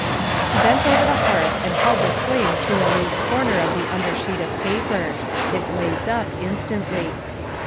He bent over the hearth and held the flame to a loose corner of the under sheet of paper; it blazed up instantly.